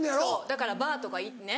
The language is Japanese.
だからバーとかね